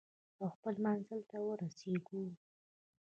او خپل منزل ته ورسیږو.